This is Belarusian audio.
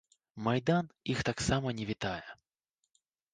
Майдан іх таксама не вітае.